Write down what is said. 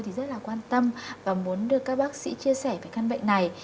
thì rất là quan tâm và muốn được các bác sĩ chia sẻ về căn bệnh này